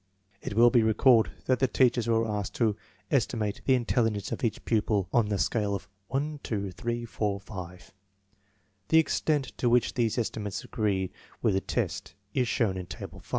It will be recalled that the teachers were asked to estimate the intelligence of each pupil on the scale of 1, 2, 3, 4, 5. The extent to which these estimates agreed with the tests is shown in Table 5.